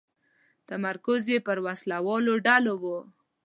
تمرکز یې پر وسله والو ډلو و.